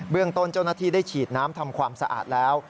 เรื่องต้นเจ้าหน้าที่ได้ฉีดน้ำทำความสะอาดแล้ว